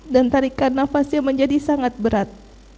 dan tarikan nafasnya menjadi sangat berat